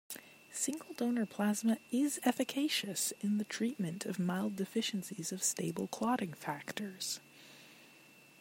Single-donor plasma is efficacious in the treatment of mild deficiencies of stable clotting factors.